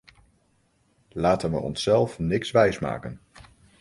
Laten we onszelf niks wijsmaken.